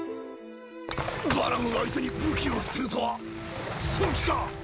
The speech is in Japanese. バラン相手に武器を捨てるとは正気か？